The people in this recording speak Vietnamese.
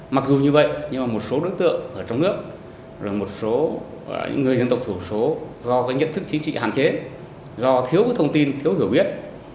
mặc dù như vậy nhưng mà một số đối tượng ở trong nước một số người dân tộc thủ số do cái nhận thức chính trị hạn chế do thiếu thông tin thiếu hiểu biết